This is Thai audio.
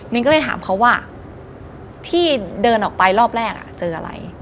ก็เลยถามเขาว่าที่เดินออกไปรอบแรกเจออะไร